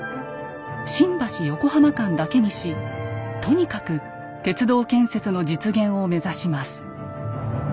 新橋・横浜間だけにしとにかく鉄道建設の実現を目指します。